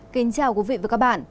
kính chào quý vị và các bạn